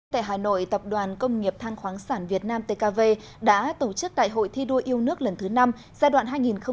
tại hà nội tập đoàn công nghiệp than khoáng sản việt nam tkv đã tổ chức đại hội thi đua yêu nước lần thứ năm giai đoạn hai nghìn hai mươi hai nghìn hai mươi năm